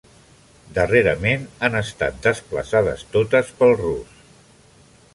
Darrerament han estat desplaçades totes pel rus.